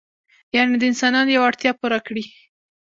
یعنې د انسانانو یوه اړتیا پوره کړي.